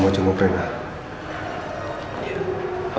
boleh lihat kabarnya kita gimana